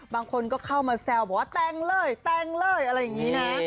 บางคนก็เข้ามาแซวบอกว่าแต่งเลยแต่งเลยอะไรอย่างนี้นะ